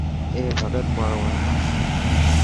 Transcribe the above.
اي ڀڳت ماڻهو هي.